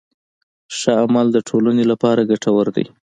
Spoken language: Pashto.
ښه عمل د ټولنې لپاره ګټور دی.